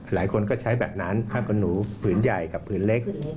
หลายคนก็ใช้แบบนั้นผ้าขนหนูผืนใหญ่กับผืนเล็ก